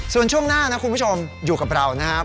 ส่วนช่วงหน้านะคุณผู้ชมอยู่กับเรานะครับ